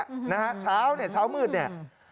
นะฮะเช้าเนี่ยเช้ามืดเนี่ย